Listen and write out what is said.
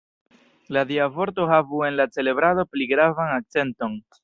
La Dia Vorto havu en la celebrado pli gravan akcenton.